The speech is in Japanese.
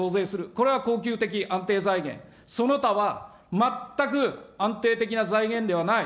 これは恒久的安定財源、その他は全く安定的な財源ではない。